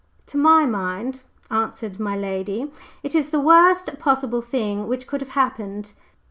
"To my mind," answered my lady, "it is the worst possible thing which could have happened."